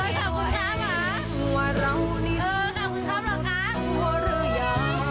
อยู่บางแสนนะ